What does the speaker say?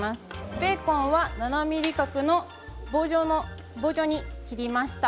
ベーコンは７ｍｍ角の棒状に切りました。